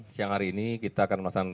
siang hari ini kita akan memasang